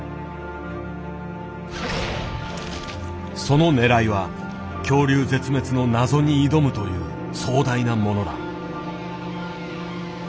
そのねらいは恐竜絶滅の謎に挑むという壮大なものだ。